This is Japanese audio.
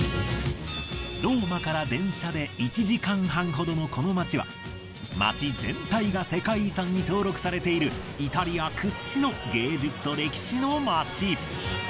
ローマから電車で１時間半ほどのこの街は街全体が世界遺産に登録されているイタリア屈指の芸術と歴史の街。